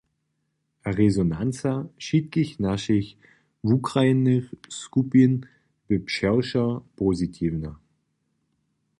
A rezonanca wšitkich našich wukrajnych skupin bě přewšo pozitiwna.